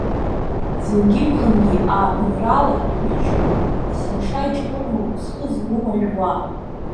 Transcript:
Ӡынгьы-ԥхынгьы ааԥынрала иҩычоу, есымша иҷкәыноу зхы-згәы мажәуа.